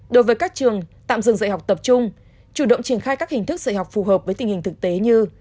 đối với các trường tạm dừng dạy học tập trung chủ động triển khai các hình thức dạy học phù hợp với tình hình thực tế như